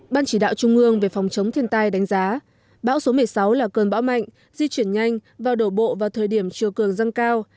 ban chỉ đạo trung ương về phòng chống thiên tai đánh giá bão số một mươi sáu là cơn bão mạnh di chuyển nhanh và đổ bộ vào thời điểm chiều cường dâng cao